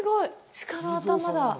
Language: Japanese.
鹿の頭だ。